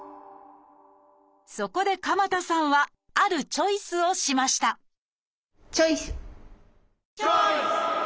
そこで鎌田さんはあるチョイスをしましたチョイス！